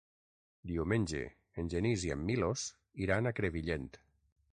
Diumenge en Genís i en Milos iran a Crevillent.